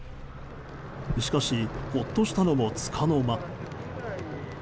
しかしほっとしたのもつかの間。